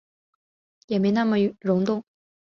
也没那么耸动